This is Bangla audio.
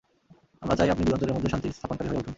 আমরা চাই আপনি দুই অঞ্চলের মধ্যে শান্তি স্থাপনকারী হয়ে উঠুন।